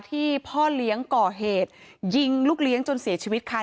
พ่อเลี้ยงก่อเหตุยิงลูกเลี้ยงจนเสียชีวิตค่ะ